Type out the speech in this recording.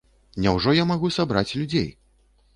Няўжо я магу сабраць людзей?